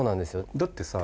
だってさ。